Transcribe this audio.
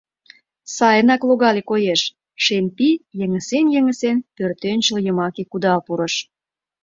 Сайынак логале, коеш: шем пий, йыҥысен-йыҥысен, пӧртӧнчыл йымаке кудал пурыш.